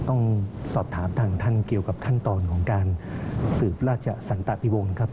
ต้องสอบถามทางท่านเกี่ยวกับขั้นตอนของการสืบราชสันตะพิวงศ์ครับ